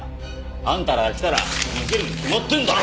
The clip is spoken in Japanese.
あんたらが来たら逃げるに決まってんだろ！